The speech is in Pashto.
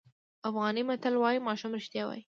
افغاني متل وایي ماشوم رښتیا وایي.